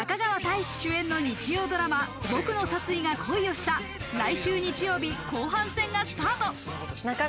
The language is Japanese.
中川大志主演の日曜ドラマ『ボクの殺意が恋をした』が来週日曜日、後半戦がスタート。